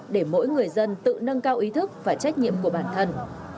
để mỗi người dân tự nâng cao ý thức và trách nhiệm của bản thân